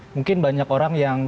mungkin banyak orang yang